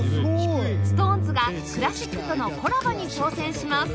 ＳｉｘＴＯＮＥＳ がクラシックとのコラボに挑戦します